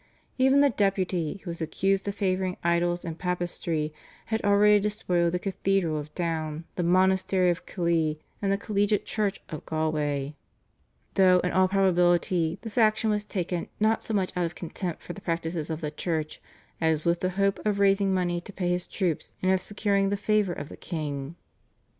Even the Deputy, who was accused of favouring idols and papistry, had already despoiled the Cathedral of Down, the monastery of Killeigh and the collegiate church of Galway, though in all probability this action was taken not so much out of contempt for the practices of the Church as with the hope of raising money to pay his troops, and of securing the favour of the king.